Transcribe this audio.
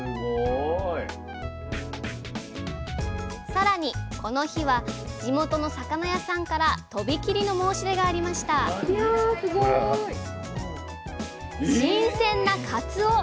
さらにこの日は地元の魚屋さんから飛び切りの申し出がありました新鮮な鰹。